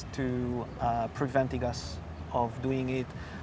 untuk memastikan kita melakukan itu